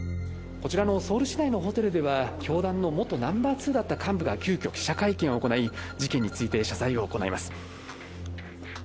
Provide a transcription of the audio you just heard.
こちらのソウル市内のホテルでは、教団の元ナンバー２だった幹部が急きょ、記者会見を行い、事件について謝罪を行います。